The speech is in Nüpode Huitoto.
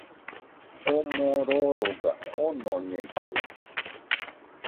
Oo moo roroga, onoñeitɨua